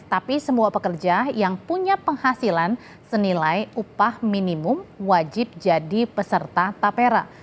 tapi semua pekerja yang punya penghasilan senilai upah minimum wajib jadi peserta tapera